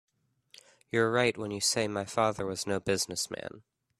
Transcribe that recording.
You're right when you say my father was no business man.